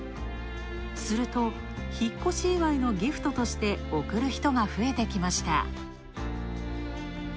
すると、引っ越し祝いのギフトとして贈る人が増えてきました。